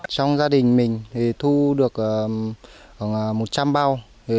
trong gia đình mình thu được khoảng một trăm linh bao